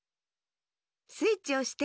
スイッチおして。